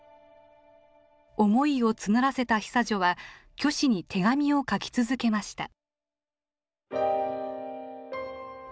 思いを募らせた久女は虚子に手紙を書き続けました。